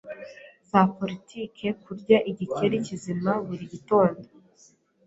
za politiki Kurya igikeri kizima buri gitondo,